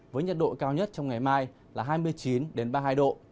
với nhật độ cao nhất trong ngày mai là hai mươi chín đến ba mươi hai độ